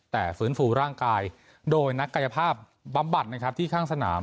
แต่ฟื้นฟูร่างกายโดยนักกายภาพบำบัดนะครับที่ข้างสนาม